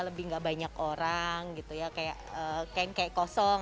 lebih gak banyak orang gitu ya kayakng kayak kosong